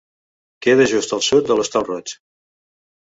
Queda just al sud de l'Hostal Roig.